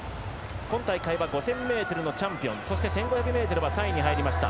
今大会は５０００ｍのチャンピオンそして１５００ｍは３位に入りました。